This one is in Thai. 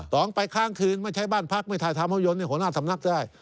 สองไปค้างคืนไม่ใช้บ้านพักไม่ถ่ายทำภาพยนต์หัวหน้าสำนักได้